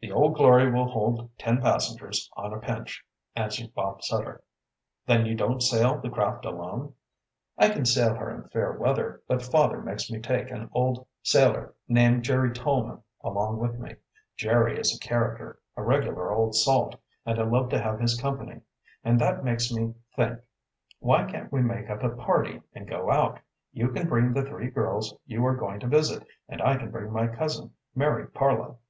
"The Old Glory will hold ten passengers on a pinch," answered Bob Sutter. "Then you don't sail the craft alone." "I can sail her in fair weather. But father makes me take an old sailor named Jerry Tolman along with me. Jerry is a character a regular old salt, and I love to have his company. And that makes me think! Why can't we make up a party and go out? You can bring the three girls you are going to visit, and I can bring my cousin, Mary Parloe."